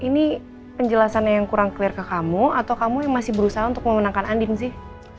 ini penjelasannya yang kurang clear ke kamu atau kamu yang masih berusaha untuk memenangkan andin sih